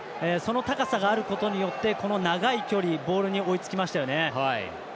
高さがあることによってこの長い距離ボールに追いつきましたよね。